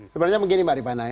sebenarnya begini mbak rifana